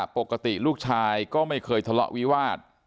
ปกติลูกชายก็ไม่เคยทะเลาะวิวาส